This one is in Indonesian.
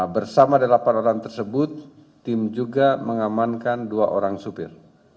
bersama delapan orang tersebut tim juga mengamankan dua orang supir